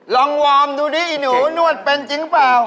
ลองวอร์มมาดูดิหนูนวดเป็นจริงป่าว